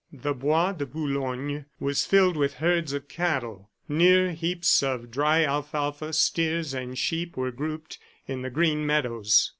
The Bois de Boulogne was filled with herds of cattle. Near heaps of dry alfalfa steers and sheep were grouped in the green meadows.